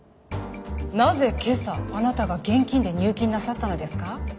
なぜ今朝あなたが現金で入金なさったのですか？